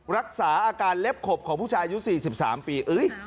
รักษาอาการเล็บขบของผู้ชายอายุ๔๓ปี